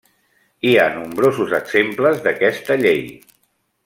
Hi ha nombrosos exemples d'aquesta llei.